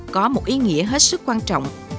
có một ý nghĩa hết sức quan trọng